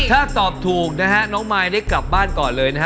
ถ้าตอบถูกนะฮะน้องมายได้กลับบ้านก่อนเลยนะฮะ